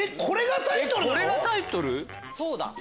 そうだ。